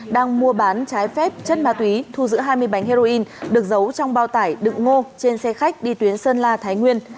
đang mua bán trái phép chất ma túy thu giữ hai mươi bánh heroin được giấu trong bao tải đựng ngô trên xe khách đi tuyến sơn la thái nguyên